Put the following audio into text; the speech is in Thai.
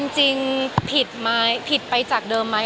จริงผิดไปจากเดิมไหม